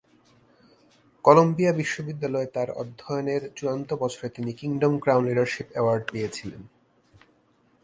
Colombia বিশ্ববিদ্যালয়ে তার অধ্যয়নের চূড়ান্ত বছরে তিনি কিংডম ক্রাউন লিডারশিপ অ্যাওয়ার্ড পেয়েছিলেন।